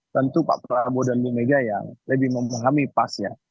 tentu pak prabowo dan bu mega yang lebih memahami pas ya